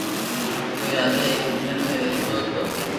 ڪوئي راجا ايڪ مھل ۾ رھتو ھتو